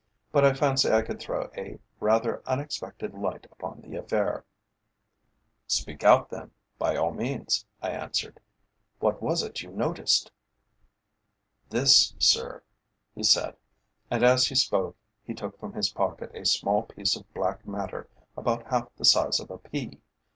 But I fancy I could throw a rather unexpected light upon the affair." "Speak out, then, by all means," I answered. "What was it you noticed?" "This, sir," he said, and as he spoke he took from his pocket a small piece of black matter about half the size of a pea.